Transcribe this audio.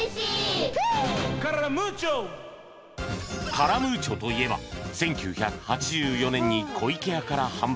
カラムーチョといえば１９８４年に湖池屋から販売